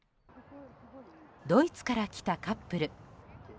ドイツから来たカップル。